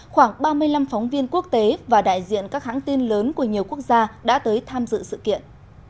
khoảng ba mươi năm phóng viên quốc tế và đại diện các hãng tin lớn của nhiều quốc gia đã tới tham dự sự kiện